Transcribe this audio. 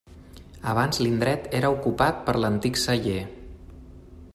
Abans l'indret era ocupat per l'antic celler.